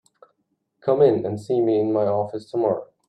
Come in and see me in my office tomorrow.